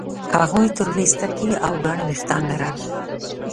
هغه تروې سترګې او ګڼ وېښتان لرل